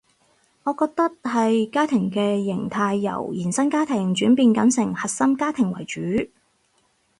我覺得係家庭嘅型態由延伸家庭轉變緊成核心家庭為主